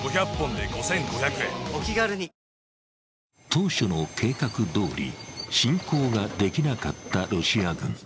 当初の計画どおり侵攻ができなかったロシア軍。